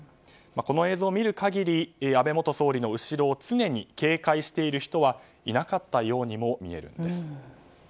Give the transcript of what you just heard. この映像を見る限り安倍元総理の後ろを常に警戒している人はいなかったようにも見えるんです。